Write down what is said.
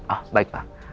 ah baik pak